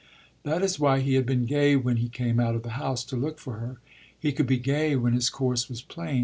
That is why he had been gay when he came out of the house to look for her: he could be gay when his course was plain.